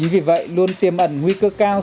vì vậy luôn tiềm ẩn nguy cơ cao